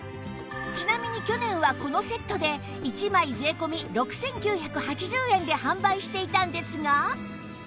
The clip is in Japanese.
ちなみに去年はこのセットで１枚税込６９８０円で販売していたんですが